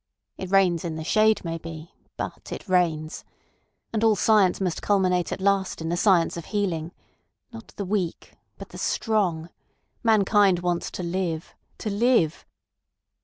It reigns in the shade maybe—but it reigns. And all science must culminate at last in the science of healing—not the weak, but the strong. Mankind wants to live—to live."